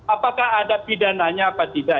apakah ada pidananya apa tidak